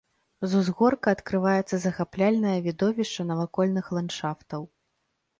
З узгорка адкрываецца захапляльнае відовішча навакольных ландшафтаў.